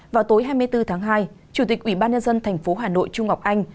vào tối hai mươi bốn tháng hai chủ tịch ủy ban nhân dân tp hà nội trung ngọc anh